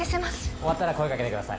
終わったら声かけてください